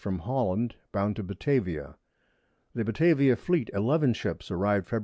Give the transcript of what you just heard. from Holland, bound to Batavia. The Batavia Fleet, 11 Ships, arrived _Feb.